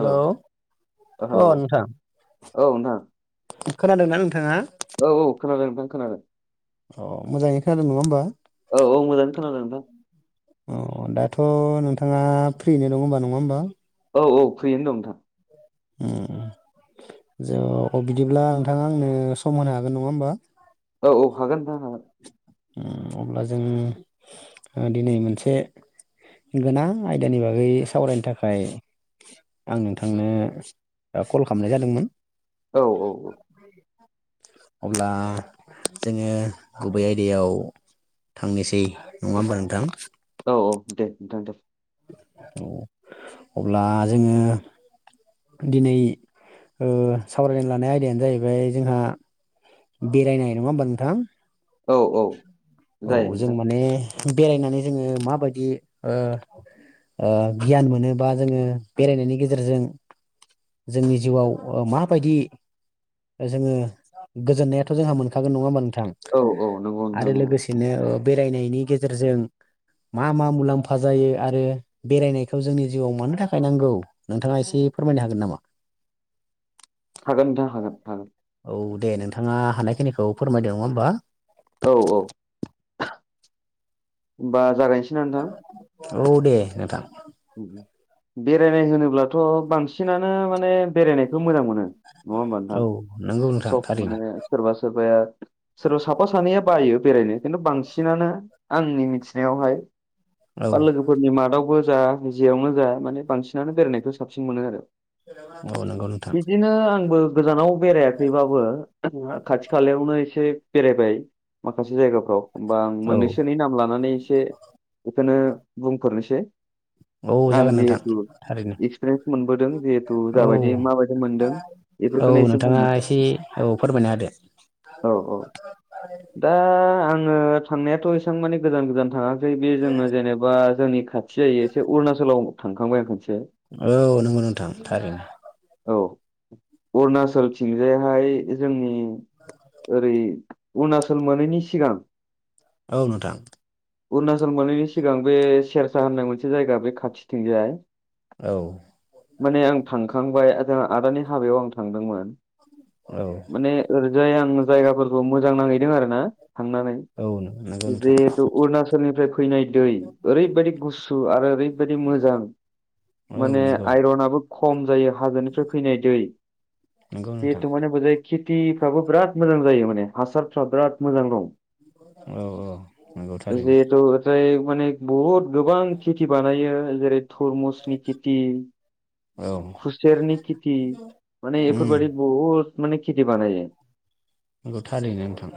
हेल ओ अ हेल औ नोंथां नोंथां खोनादोंना नोंथाङा? औ औ खोनादों नोंथां खोनादों अ मोजाङै खोनादों नङा होमबा? औ औ मोजाङै खोनादों नोंथां अ दाथ नोंथाङा फ्रियैनो दं होनबा नङा होमबा? औ औ फ्रियैनो दं नोंथां उम उम जोङो अ बिदिब्ला नोंथाङा आंनो सम होनो हागोन नङा होमबा? औ औ हागोन नोंथां हागोन उम अब्ला जों दिनै मोनसे गोनां आयदानि बागै सावरायनो थाखाय आं नोंथांनो ओ कल खालामनाय जादोंमोन औ औ औ अब्ला जोङो गुबै आय दायाव थांनोसै नङा होमबा नोंथां? औ औ दे नोंथां दे अब्ला जोङो दिनै ओ सावरायनो लानाय आयदायानो जाहैबाय जोंहा बेरायनाय नङा होमबा नोंथां? औ औ औ जायो जों नोंथां माने बेरायनानै जोङो माबायदि ओ गियान मोनोबा जोङो बेरायनायनि गेजेरजों जोंनि जिउआव माबायदि जोङो गोजोननायाथ जोंहा मोनखागोन नङा होमबा नोंथां? औ औ नंगौ नोंथां नंगौ बिदिनो बेरायनायनि गेजेरजों मा मा मुलाम्फा जायो आरो बेरायनायखौ जोंनि जिउआव मानो थाखाय नांगौ नोंथाङा एसे फोरमायनो हागोन नामा? हागोन नोंथां हागोन हागोन औ दे नोंथाङा हानायखिनिखौ फोरमायदों नङा होमबा? औ औ होनबा जागायनोसै ना नोंथां? औ दे नोंथां बेरायनाय होनोब्लाथ बांसिनानो माने बेरायनायखौ मोजां मोनो नङा होमबा औ नोंथां नंगौ नोंथां सब थारैनो माने सोरबा सोरबाया सोरबा साफा सानैया बायो बेरायनो खिन्थु बांसिनानो आंनि मिथिनायावहाय औ बा लोगोफोरनि मादावबो जा जियावनो जा माने बांसिनानो बेरायनायखौ साबसिन मोनो आरो औ नंगौ नोंथां बिदिनो आंबो गोजानाव बेरायाखैबाबो खाथि खालायावनो एसे बेरायबाय माखासे जायगाफ्राव होमबा आं औ मोननैसोनि नाम लानानै एसे बेखौनो बुंफोरनोसै औ आं जागोन नोंथां जिहेथु थारैनो एक्सपिरियेन्स मोनबोदों जिहेथु जाबादि माबायदि मोनदों ओव बेफोरखौनो एसे नोंथाङा बुंनोसै एसे औ फोरमायना होदो औ औ दा आङो थांनायाथ एसां माने गोजान गोजान थाङा बे जोंङो जेनेबा जोंनि खाथि जायो एसे अरुणाचलाव थांखांबाय आं खोनसे औ नंगौ नोंथां थारैनो औ अरुणाचल थिंजायहाय जोंनि ओरै अरुणाचल मोनैनि सिगां औ नोंथां अरुणाचल मोनैनि सिगां बे सेरसा होननाय मोनसे जायगा बे खाथिथिंजाय औ माने आं थांखांबाय आदानि हाबायाव आं थांदोंमोन औ माने ओरैजाय आं जायगाफोरखौ मोजां नांहैदों आरो ना थांनानै औ नोंथां नंगौ जिहेथु अरुणाचलनिफ्राय फैनाय दै ओरैबायदि गुसु आरो ओरैबायदि मोजां औ माने नंगौ आइरनाबो खम जायो हाजोनिफ्राय फैनाय दै नंगौ नोंथां जिथु माने बजाय खेथिफ्राबो बिराद मोजां जायो माने हासारफ्रा बिराद मोजां दं औ औ नंगौ थारैनो जिहेतु होजायो माने बहुद गोबां खेथि बानायो जेरै थरमुसनि खेथि औ खुसेेरनि खेथि माने उम एफोरबादि बहुत माने खेथि बानायो नंगौ थारैनो नोंथां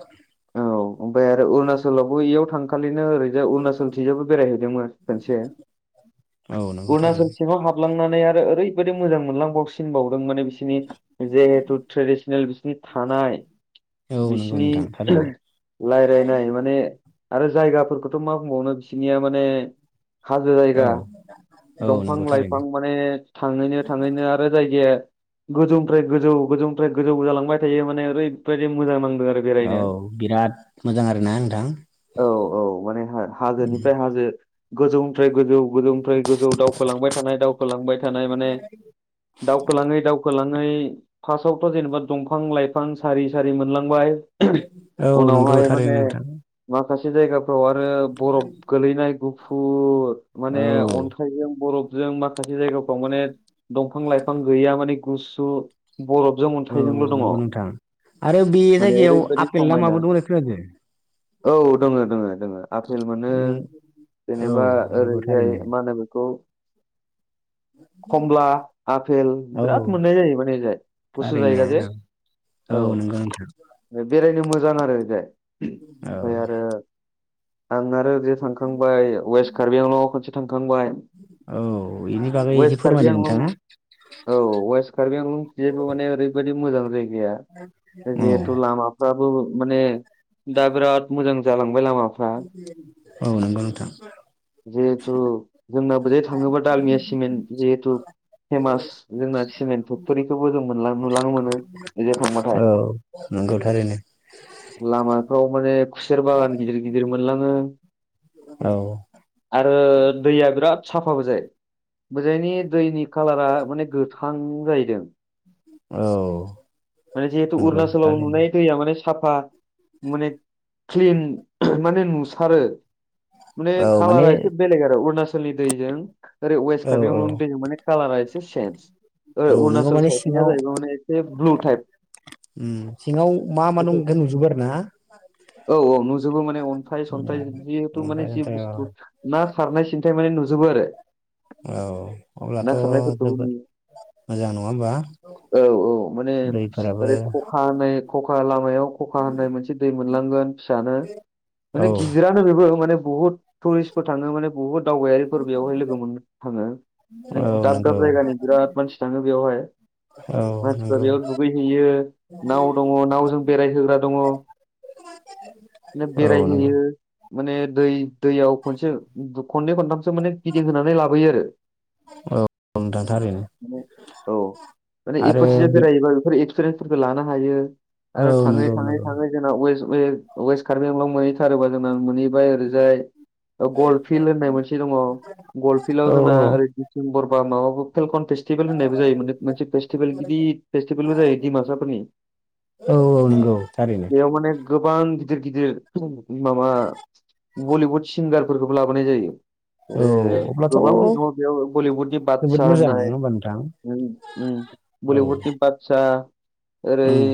ओव ओमफ्राय आरो अरुणाचलावबो बेयाव थांखालिनो ओरैनो जों अरुणाचलथिंबो बेरायहैदोंमोन खसे औ नंगौ थारैनो अरुणाचलसिङाव हाब हाबलांनानै आरो ओरैबायदि मोजां मोनलांबावसिनबावदों माने बिसोर बिसनि जिहेथु ट्रेडिसनेल बिसिनि थानाय औ नंगौ बिसिनि नोंथां थारैनो राय्लायनाय माने आरो जायगाफोरखौथ' मा बुंबावनो बिसोरनिया माने हाजो औ जायगा औ दंफां नंगौ थारैनो लाइफां माने थाङैनो थाङैनो आरो जायगाया गोजौनिफ्राय गोजौ गोजौनिफ्राय गोजौ जालांबाय थायो माने ओरैबायदि मोजां नांदों आरो औ बेरायनो बिराद मोजां आरोना नोंथां औ औ माने हाजोनिफ्राय हाजो गोजौनिफ्राय गोजौ गोजौनिफ्राय गोजौ दावखोलांबाय थानाय दावखोलांबाय थानाय माने दावखोलाङै दावखोलाङै फार्स्टआवथ' जेनेबा दंफां लाइफां सारि सारि मोनलांबाय औ नंगौ उनावहाय थारैनो माने नोंथां माखासे जायगाफ्राव आरो बरफ गोलैनाय गुफुर माने औ अथ अन्थायजों बरफजों माखासे जायगाफ्राव माने दंफां लाइफां गैया माने गुसु बरफजों अन्थायजोंल' औ दङ नंगौ नोंथां आरो बे माने जायगायाव ओरैबायदि आफेल ना समायना माबाबो दंलाय खोनादों औ दोङो- दङो- दोङो आफेल मोनो नों औ जेनेबा नंगौ ओरैजाय थारैनो मा होनो बेखौ खमला आफपेल औ बिराद मोननाय जायो माने जाय गुसु थारैनो जायगा जे औ औ नंगौ नोंथां बेरायनो मोजां आरो दे औ ओमफ्राय आरो आं आरो ओरै थांखांबाय वेस्ट कार्बि आंल' खनसे थांखांबाय। औ बेनि बागै एसे वेस्ट कार्बि फोरमायदो आंलं नोंथाङा। औ वेस्ट कार्बि आलंबो माने ओरैबायदि मोजां जायगाया औ जिहेथु लामा दाबो माने दा बिराद मोजां जालांबाय लामाफ [inaudible] औ नंगौ नोंथां। जिहेथु जोंना बोजाय थाङोबा दालमयास सिमेन्ट जिहेतु फेमास जोंना सिमेन्ट फेक्ट'रिखौबो जों नुलानो मोनो ओजाय थांबाथाय औ नंगौथारैनो लामाफ्राव माने खुसेर बागान गिदिर गिदिर मोनलाङो औ आरो दैया बिराद साफाबो ओरजाय मोजाङनि दैनि खाालारा माने गोथां जाहैदों औ माने जेहेथु नंगौ अरुणचलाव थारैनो नुनाय दैया माने साफा माने क्लिन माने नुसारो। नै औ माने कालारा एसे बेलेग आरो अरुणाचलनि दैजों ओरै वेस्ट औ कार्बियावल' औ ननि दै माने कालारा एसे चेनस औ नोंगौ अरुणाचल माने साइदनिया सिङाव जाहैबाय मान एसे ब्लु टाइप। उम सिङाव मा मा एसे दंजोबो नुजोबो आरोना। औ औ नुजोबो माने औ। अन्थाइ सन्थाइ जिहेथु माने ओमफ्राय जि ओमफ्राय औ बुस्थु ना सारनाय सिनथाय माने नुजोबो आरो। औ ना अब्लाथ' खारनायफोरखौबो जोबोद मोजां नङा होमबा [inaudible] औ औ माने दैफोराबो ओरै खखा होननाय खखा लामायाव खखा होननाय मोनसे दै मोनलांगोन। फिसानो औ माने गिदिरानो बेबो माने बुहुत टुरिस्टफोर थाङो माने बहुद दावबायारिफोर बेयावहाय लोगो मोननो थाङो। औ माने दाब नंगौ दाब जायगानि बिराद मानसि थाङो बेवहाय औ नंगौ। फैहैयो नाव दङ नावजों बेरायहोग्रा दङ। नो औ नंगौ बेरायहैयो माने दै दैयाव खनसे खननै खनथामसो। थार माने गिदिं होनानै लाबोयो आरो। औ नोंथां थारैनो [inaudible] औ माने आरो इफोरसेजों बे बेरायोबा बे एक्सपिरियेन्सफोरखौ लानो हायो औ आरो नंगौ नंगौ थाङै-थाङै-थाङै जोंना वेस्ट वेस्ट कार्बिंलाव मोनहैथारोबा जोंना मोनहैबाय ओरैजाय गल फिल्ड होननाय मोनसे दङ गल फिल्डआव औ जोंना ओरै दिम्बर बा माबा फेलकन फेस्टिभेल होननायबो जायो मोनसे फेस्टिभेल गिदिर जमा जायो दिमापुर फोरनि औ औ नंगौ थारैनो [inaudible] थार माने गोबां गिदिर-गिदिर माबा बलिउड सिंगारफोरखौबो लाबोनाय जायो। औ आरो अब्लाथ' गोबां फैदोंङ बेयाव बलिउडनि जोबोद बादसा मोजां नङा होननाय। होमबा नोंथां उम हम औ बलिउड नि बादसा ओरै उम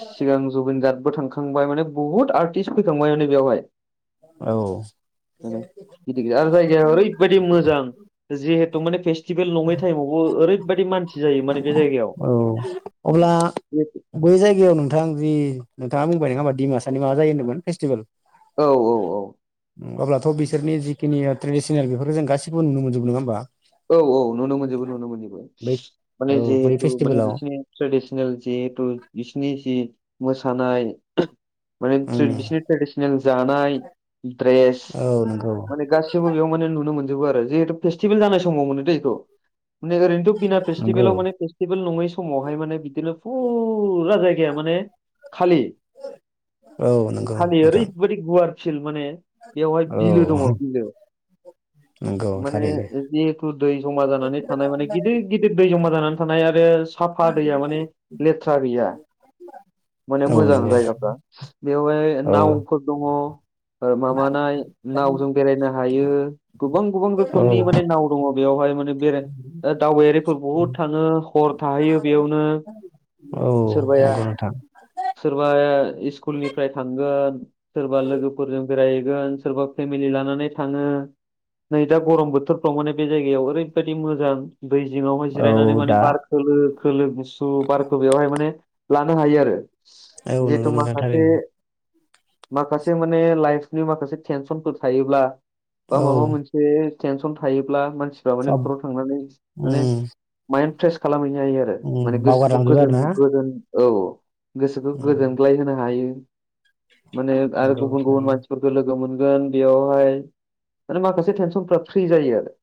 सिगां जुबिन गार्तबो थांखांबाय माने बुहुत आर्टिस्ट फैखांबाय माने बेवहाय। औ [inaudible] बेनो बिदिनो आरो जायगाया ओरै बायदि मोजां जिहेथु माने फेस्टिभेल नङै टाइमावबो ओरैबायदि मानसि। जायो माने बे जायगायाव औ अब्ला [inaudible] बै जायगायाव नोंथां जि नोंथाङा बुंबाय नङा होमबा। दिमासानि मा जायो होनदोंमोन फेस्टिभेल? औ गु अब्लाथ' बिसोरनि जिखिनि ट्रेडिसनेल बेफोरफोरखौ जों गासिखौबो नुनो मोनजोबो नङा होमबा? औ औ नुनो मोनजोबो नुनो मोनजोबो बै माने औ बै जिहेतु माने फेस्टिभेलाव बिसोरनि ट्रेडिसनेल जिहेतु बिसिनि जि मोसानाय माने उम ट्रेडिस बिसिनि ट्रेडिसनेल जानाय द्रेस औ नंगौ माने गासिब बो बेयाव माने नुनो मोनजोबो आरो जिहेथु फेस्टिभेल जानाय समाव मोनोदै इखौ माने ओरैनोथ' बिना नंगौ फेस्टिभेलाव माने फेस्टिभेल नङै समावहाय माने बिदिनो [inaudible] फुरा जायगाया माने खालि औ नंगौ खालि नोंथां ओरैबादि गुवारसिल माने बेवहाय औ बिलो दङ' बिलो नंगौ माने थारैनो जिहेथ दै जमा जानानै थानाय माने गिदिर गिदिर दै जमा जानानै थानाय आरो साफा दैया माने लेथ्रा गैया माने औ मोजां नंगौ जायगाफ्रा बेवहाय औ नाव फोर दङ'। ओ माबानाय नावजों बेरायनो हायो गोबां गोबां रोखोमनि माने औ नाव दङ' बेयावहाय माने बेराय दावबायारिफोर बुहुद थाङो हर थाहैयो बेयावनो। औ सोरबाया नोंगौ नोथां। सोरबाया इस्कुलनिफ्राय थांगोन। सोरबा लोगोफोरजों बेरायहैगोन सोरबा फेमिलि लानानै थाङो। नै दा गरम बोथोरफ्राव माने बे जायगायाव ओरैबायदि मोजां। दै जिङावहाय औ जिरायनानै दा माने बारख खोलो खोलो गुसु बारखौ बेवहाय माने लानो हायो आरो। औ नंगौ जिहेतु नोंथां माखासे थारैनो माखासे माने लाइफनि माखासे टेनसनफोर थायोब्ला बा माबा औ मोनस से टेनसन थायोब्ला मानसिफ्रा माने सब बेफोराव थांनानै माने उम माइन्द फ्रेस खालामहैनो जायो आरो माने उम गोसोखौ बावगारलांजोबो आरो गोजोन ना गोजोन औ औ गोसोखौ उम गोजोनग्लाय होनो हायो माने आरो नंगौ गुबुन गुबुन थारैनो मानसिफोर लोगो मोनगोन बेयावहाय माने माखासे टेनसनफ्रा फ्रि जायो आरो।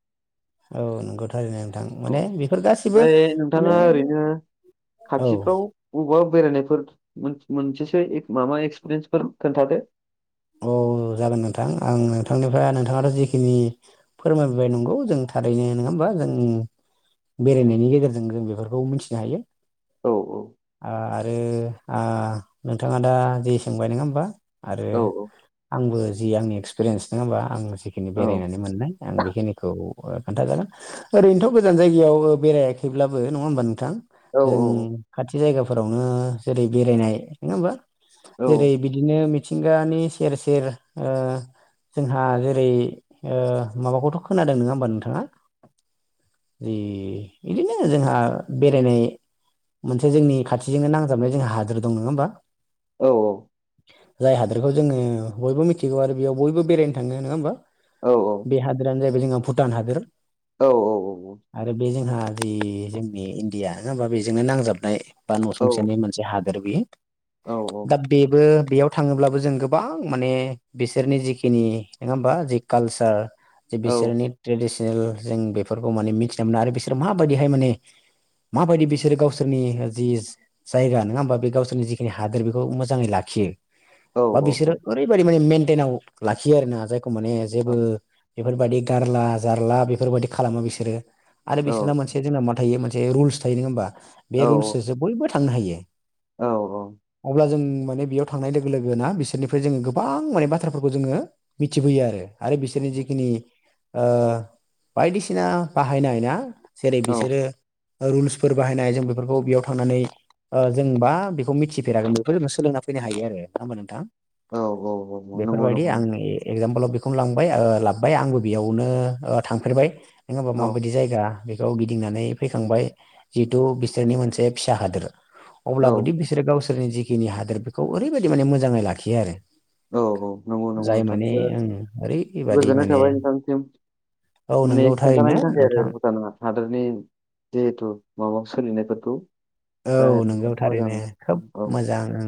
औ नंगौ थारैनो नोंथां माने बेफोर गासिबो ओमफ्राय नोंथाङा माने औ। बबेबा बेरायनायफोर मोन मोनसेसो माबा एक्सपिरियेन्सफोर खोन्थादो। औ जागोन नोंथां आं नोंथांनिफ्राय नोंथाङाथ' जिखिनि फोरमायबोबाय नंगौ जों थारैनो नोंङा होमबा जों बेरायनायनि गेजेरजों जों बेफोरखौ मिथिनो हायो। औ आरो आ नोंथाङा दा जि सोंबाय नङा होमबा? आरो औ आंबो जि आंनि एक्सपिरियेन्स नङा होमबा आं जिखिनि बेरायनानै मोननाय आं बेखिनिखौ ओ खोन्थाजागोन। ओरैनोथ' गोजान जायगायाव बेरायाखैब्लाबो नङा होमबा नोंथां? औ जों खाथि जायगाफोरावनो जेरै बेरायनाय नङा होमबा जेरै बिदिनो मिथिंगानि सेर सेर ओ जोंहा जेरै ओ माबाखौथ' खोनादों नोङा होमबा नोंथाङा? जि बिदिनो जोंहा बेरायनाय मोनसे जोंनि खाथिजोंनो नांजाबनाय जोंहा हादोर दङ' नङा होमबा? औ औ। जाय हादोरखौ जोङो बयबो मिथिगौ आरो बेयाव बयबो बेरायनो थाङो नोङा होमबा? औ औ। बे हादोरानो जाहैबाय जोंहा भुटान हादोर। औ औ औ। आरो बे जोंहा बे जोंनि इण्डिया नङा होमबा बेजोंनो नांजाबनाय बा न'सुंसेनि मोनसे हादोर बियो औ औ दा बेबो बेयाव थाङोब्लाबो जों गोबां माने बिसोरनि जिखिनि नङा हबा जि कालचार ज औ बिसोरनि ट्रेडिसि बेल जों बेफोरखौ माने मिथिना मोनो आरो बिसोर माबायदिहाय माने माबायदि बिसोरो गावसोरनि जिस जायगा नङा होमा बे गावसोरनि जिखिनि हादोर बेखौ मोजाङै लाखियो बा बिसोरो औ ओरैबादि माने मेेनटेनाव लाखियो आरोना जायखौ माने जेबो बेफोरबायदि गारला जारला बेफोरबायदि खालामो बिसोरो आरो बिसोरना मोनसे जोंना मा थायो मोनसे रुल्स थायो नोङा होमबा बे रुल्ससो बयबो थांनो हायो औ अब्ला जों माने बेयाव थांनाय लोगो लोगोना बिसोरनि जोङो गोबां माने बाथ्राफोरखौ जोङो मिथिबोयो आरो आरो बिसोरनि जिखिनि ओ बायदिसिना बाहायनाय ना जेरै औ औ बिसोरो रुल्सफोर बाहायनाय जों बेफोरखौ बेयाव थांनानै ओ जोंबा बेखौ मिथिफेरागोन बेखौ जों सोलोंना फैनो हायो आरो नङा होमबा नोंथां? औ औ औ नंगौ बेफोरारबायदि नंगौ नंगौ आंनि एगजामपोलाव बेखौनो लांबाय ओ लाबोबाय आंबो बेयावनो थांफेरबाय नङा होमबा औ माबायदि जायगा बेखौ गि दिंनानै फैखांबाय जिहेथु बिसोरनि मोनसे फिसा हादोर औ अब्लाबोदि बिसोरो गावसोरनि जिखिनि हादोर बेखौ ओरैबायादि माने मोजाङै लाखियो आरो औ औ नंगौ नंगौ जाय नोंथां माने बिराद ओं ओरैबादि गोजोननाय माने थाबाय नोंथांसिम औ माने नोंगौ थारैनो खोनथानायनि थाखाय आरो नोंथां भुटाना हादोरनि जिहेथु माबा सोलिनायफोरखौ औ जाहाथे नोंगौ मोजां थारैनो औ खोब औ मोजां उ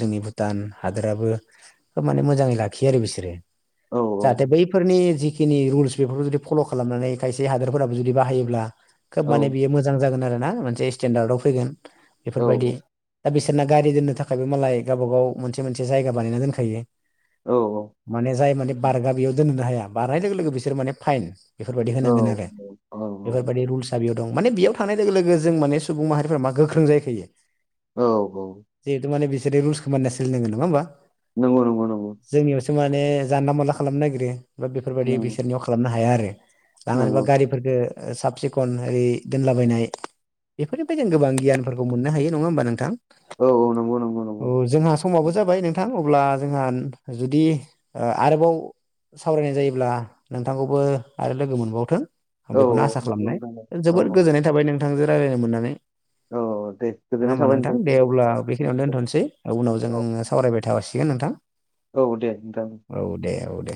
जोंनि भुटान हादोराबोखोब माने मोजाङै लाखियो आरो बिसोरो औ जाहाथे बै फोरनि जिखिनि रुल्स बेफोरखौ जुदि फल' खालामनानै खायसे हादोरफोराबो जुदि बाहायोब्ला खोब औ माने बियो मोजां जागोन आरो ना मोनसे स्टेनडार्डआव फैगोन औ एफोरबायदि दा बिसोरना गारि दोननो थाखायबो मालाय गावबा गाव मोनसे मोनसे जायगा बानायना दोनखायो औ औ माने जाय माने बारगा बेयाव दोनहोनो हाया बारनाय लोगो लोगो बिसोर माने फाइन बेफोरबायदि होनांगोन आरो औ औ बेफोरबायदि रुल्स दा बेयाव दं माने बेयाव थानाय लोगो लोगो जों माने सुबुं माहारिफोरा मा गोख्रों जायखायो औ औ जिहेथु माने बिसोरो रुलस खौ मानिनानै सोलिनांगोन नङा होमबा नंगौ नंगौ नंगौ जोंनिआव माने जानला मानला खालामनो नागिरो बा बेफोरबायदि नंगौ बिसोरनियाव खालामनो हाया आरो। लांनानैबा नंगौ गारिफोरफोरखो साब सिखन ओरै दोनलाबायनाय बेफोरनिफ्रायनो गोबां गियानफोरखौ मोननो हायो नङा होमबा नोंथां? औ औ नंगौ नंगौ नंगौ औ जोंहा समाबो जाबाय नोंथां अब्ला जोंहा जुदि ओ आरोबाव सावरायनाय जायोब्ला नोंथांखौबो आरो लोगो मोनबावथों आं औ बेखौनो आसा नंगौ खालामनाय नोंथां औ जोबद गोजोननाय थाबाय नोंथांजों रायज्लायनो मोननानै औ औ दे नङा गोजोननाय होमबा थाबाय नोंथां दे नोंथांसिम अब्ला औ बेखिनियावनो दोनथ'नोसै उनाव जों औ सावरायबाय थासिगोन नोंथां औ दे नोंथां ओं औ दे औ दे